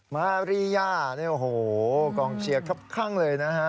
มาริยาโอ้โหกองเชียร์ครับครั้งเลยนะฮะ